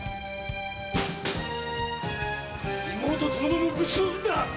妹ともどもぶち殺すんだ！